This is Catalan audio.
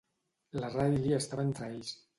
La Riley estava entre ells.